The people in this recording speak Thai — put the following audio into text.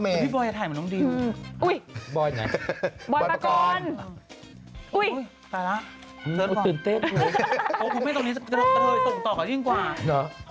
เพราะถ่ายคนสงสัก